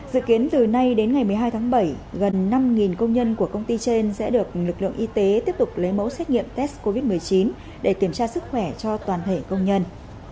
dự kiến từ nay đến ngày một mươi hai tháng bảy gần năm công nhân của công ty trên sẽ được lực lượng y tế tiếp tục lấy mẫu xét nghiệm test covid một mươi chín để kiểm tra sức khỏe cho toàn thể công nhân